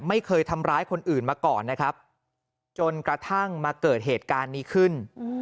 ไม่เคยทำร้ายคนอื่นมาก่อนนะครับจนกระทั่งมาเกิดเหตุการณ์นี้ขึ้น